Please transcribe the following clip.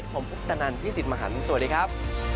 ผมพุทธนันพี่สิทธิ์มหันฯสวัสดีครับ